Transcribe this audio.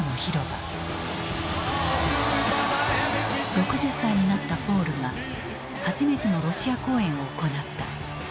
６０歳になったポールが初めてのロシア公演を行った。